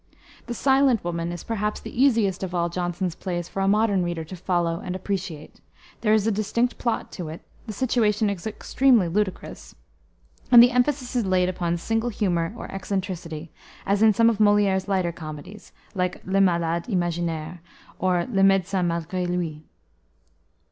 The Silent Woman is, perhaps, the easiest of all Jonson's plays for a modern reader to follow and appreciate. There is a distinct plot to it, the situation is extremely ludicrous, and the emphasis is laid upon single humor or eccentricity, as in some of Moliere's lighter comedies, like Le Malade Imaginaire, or Le Médecin malgrê lui.